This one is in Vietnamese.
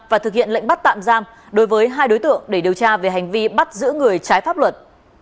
và thực hiện lệnh bắt tạm giam đối với hai đối tượng để điều tra về hành vi bắt giữ người trái pháp luật